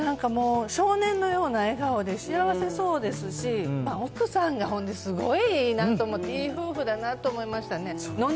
少年のような笑顔ですばらしいですし、奥さんがほんですごいいいなと思って、いい夫婦だなと思いましたね。